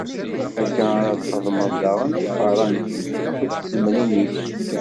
Akka ara txedmeḍ daɣen i tfeṛṛant-ik akked tzemmrin-ik.